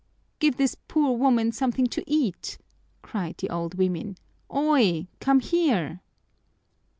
"Give this poor woman something to eat," cried the old women. "Oy, come here!"